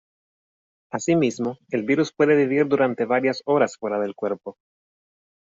Asimismo, el virus puede vivir durante varias horas fuera del cuerpo.